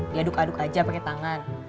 diaduk aduk aja pakai tangan